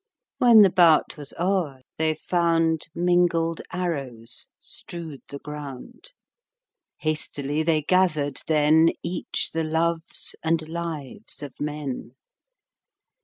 When the bout was o'er they found Mingled arrows strewed the ground. Hastily they gathered then Each the loves and lives of men.